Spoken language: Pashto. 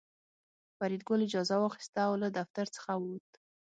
فریدګل اجازه واخیسته او له دفتر څخه ووت